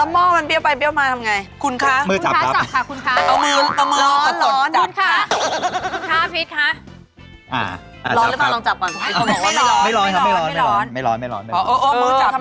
อันนี้เราคนละครึ่งหรือเปล่าเชฟครับคนละครึ่งครับ